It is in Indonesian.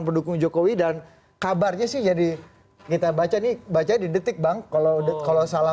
pendukung jokowi dan kabarnya sih jadi kita baca nih baca di detik bang kalau kalau salah